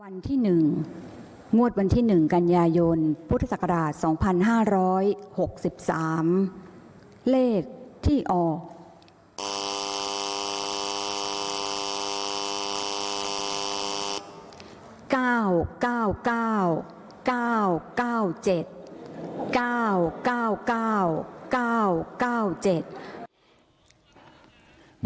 นี่คุณแขวนพระสอน